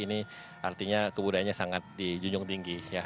ini artinya kebudayaannya sangat dijunjung tinggi ya